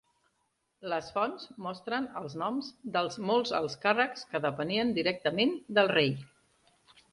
Les fonts mostren els noms dels molts alts càrrecs que depenien directament del Rei.